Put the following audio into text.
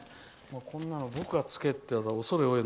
こんなの僕がつけてたら恐れ多い。